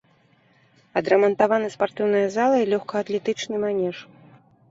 Адрамантаваны спартыўная зала і лёгкаатлетычны манеж.